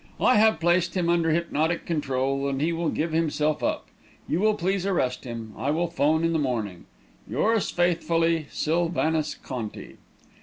I have placed him under hypnotic control, and he will give himself up. You will please arrest him. I will 'phone in the morning. Yours faithfully, SYLVANUS CONTI.